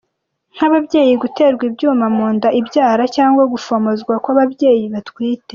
Nk’ ababyeyi guterwa ibyuma mu nda ibyara, cyangwa gufomozwa kw’ababyeyi batwite.